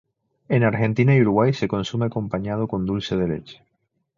En Argentina y Uruguay se consume acompañado con dulce de leche.